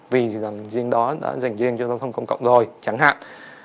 vì rành riêng đó đã rành riêng cho giao thông công cộng rồi chẳng hạn